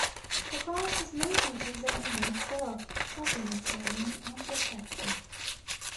The class has many features that enhance stealth, helping it to remain undetected.